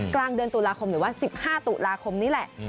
กลางเดือนตุลาคมหรือว่า๑๕ตุลาคมนี้แหละ